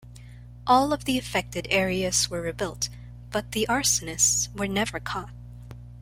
All of the affected areas were rebuilt, but the arsonists were never caught.